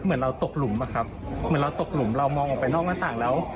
เหมือนเราตกหลุมอะครับเหมือนเราตกหลุมเรามองออกไปนอกหน้าต่างแล้ว